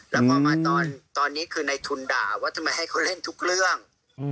แล้วก็มาตอนนี้คือในทุนด่าว่าทำไมให้เขาเล่นทุกเรื่อง